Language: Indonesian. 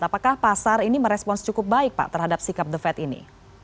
apakah pasar ini merespons cukup baik pak terhadap sikap the fed ini